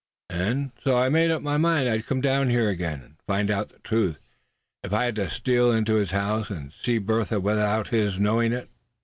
And so I made up my mind I'd come down here again, and find out the truth, if I had to steal into his house, and see Bertha without his knowing it.